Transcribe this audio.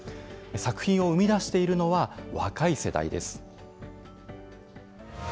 作品を生み出しているのは、若い世代です。